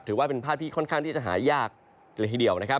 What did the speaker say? ถือว่าเป็นภาพที่ค่อนข้างที่จะหายากเลยทีเดียวนะครับ